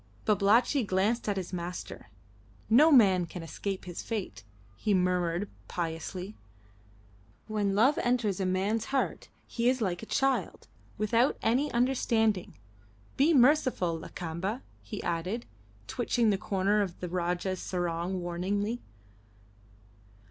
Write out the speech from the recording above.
Babalatchi glanced at his master. "No man can escape his fate," he murmured piously. "When love enters a man's heart he is like a child without any understanding. Be merciful, Lakamba," he added, twitching the corner of the Rajah's sarong warningly.